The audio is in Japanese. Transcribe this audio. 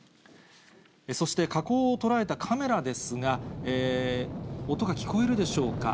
そして、火口を捉えたカメラですが、音が聞こえるでしょうか。